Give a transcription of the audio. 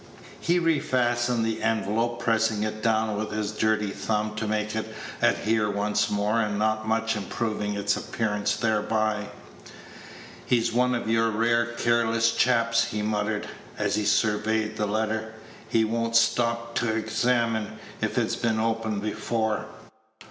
He refastened the envelope, pressing it down with his dirty thumb to make it adhere once more, and not much improving its appearance thereby. "He's one of your rare careless chaps," he muttered, as he surveyed the letter; "he won't stop t' examine if it's been opened before.